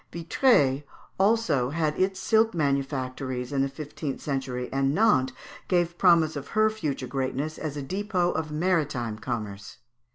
Vitré already had its silk manufactories in the fifteenth century, and Nantes gave promise of her future greatness as a depôt of maritime commerce.